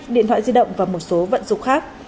điện thoại di động và một số vận dụng khác